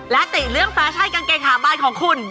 และติเรื่องแฟชั่นกางเกงขาบานของคุณ